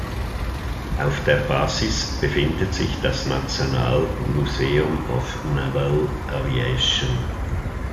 Auf der Basis befindet sich das National Museum of Naval Aviation.